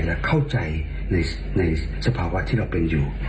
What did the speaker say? และเข้าใจในสภาวะที่เราเป็นอยู่